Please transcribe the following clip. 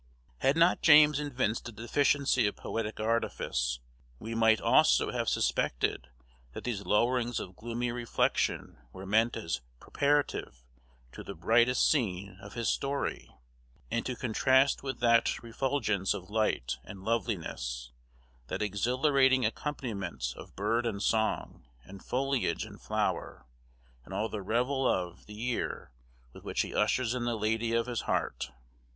Had not James evinced a deficiency of poetic artifice, we might almost have suspected that these lowerings of gloomy reflection were meant as preparative to the brightest scene of his story, and to contrast with that refulgence of light and loveliness, that exhilarating accompaniment of bird and song, and foliage and flower, and all the revel of, the year, with which he ushers in the lady of his heart.